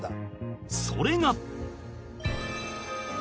それが